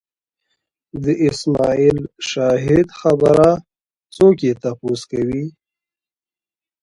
د اسماعیل شاهد خبره څوک یې تپوس کوي